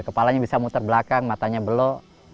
kepalanya bisa muter belakang matanya belok